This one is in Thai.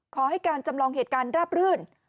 ขอให้การจำลองเหตุการณ์ราบรื่น